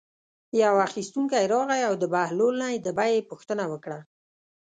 یو اخیستونکی راغی او د بهلول نه یې د بیې پوښتنه وکړه.